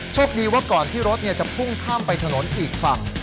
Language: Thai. โชคดีว่าก่อนที่รถจะพุ่งข้ามไปถนนอีกฝั่ง